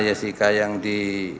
yesika yang di